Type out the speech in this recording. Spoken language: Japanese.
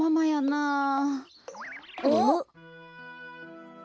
あっ！